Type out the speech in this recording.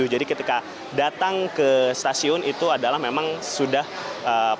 jadi ketika datang ke stasiun itu adalah memang sudah pasti